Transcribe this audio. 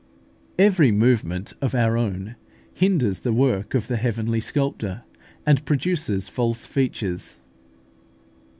Every movement of our own hinders the work of the Heavenly Sculptor, and produces false features.